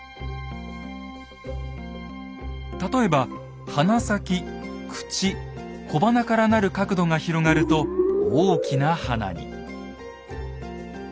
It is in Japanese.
例えば鼻先口小鼻から成る角度が広がると大きな鼻に。